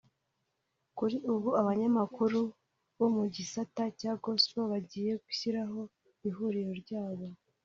kuri ubu abanyamakuru bo mu gisata cya gospel bagiye gushyiraho ihuriro ryabo